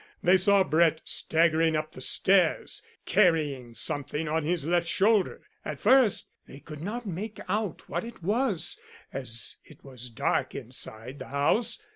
They saw Brett staggering up the stairs carrying something on his left shoulder. At first they could not make out what it was, as it was dark inside the house.